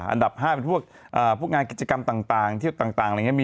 อันดับ๕เป็นพวกงานกิจกรรมต่างเที่ยวต่างอะไรอย่างนี้